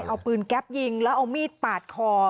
เอาปืนแก๊ปยิงแล้วเอามีดปาดคอ